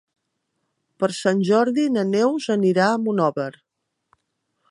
Per Sant Jordi na Neus anirà a Monòver.